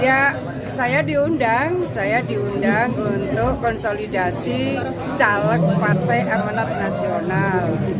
ya saya diundang saya diundang untuk konsolidasi caleg partai amanat nasional